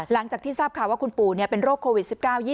หลังจากที่ทราบข่าวว่าคุณปู่เป็นโรคโควิด๑๙